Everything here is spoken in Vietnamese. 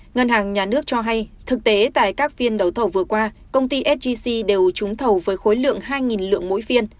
ngân hàng nhà nước cho hay thực tế tại các phiên đấu thầu vừa qua công ty sgc đều trúng thầu với khối lượng hai lượng mỗi phiên